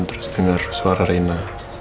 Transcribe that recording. terus dengar suara riana